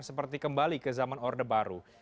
seperti kembali ke zaman orde baru